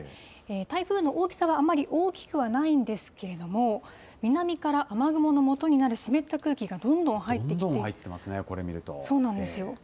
台風の大きさはあまり大きくはないんですけれども、南から雨雲のもとになる湿った空気がどんどんどんどん入ってますね、これそうなんです。